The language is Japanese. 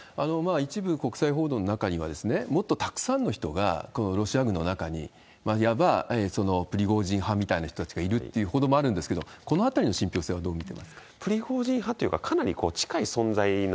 一部国際報道の中には、もっとたくさんの人がロシア軍の中に、いわば、そのプリゴジン派みたいな人たちがいるという報道もあるんですけれども、このあたりの信ぴょう性はどう見てますか？